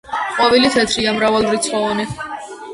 ყვავილი თეთრია, მრავალრიცხოვანი.